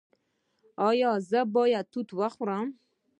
ایا زه باید توت وخورم؟